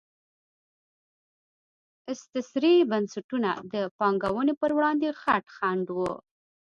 استثري بنسټونه د پانګونې پر وړاندې غټ خنډ وو.